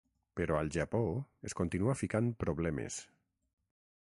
Però al Japó, es continua ficant problemes.